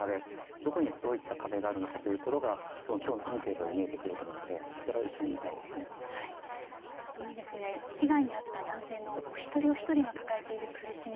どこにどういった壁があるのかということがきょうのアンケートで見えてくると思うので本当に被害に遭った男性のお一人お一人が抱えている苦しみ。